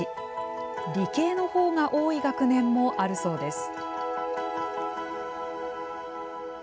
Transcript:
理系のほうが多い学年もあるそうです。